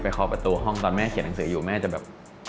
เคาะประตูห้องตอนแม่เขียนหนังสืออยู่แม่จะแบบ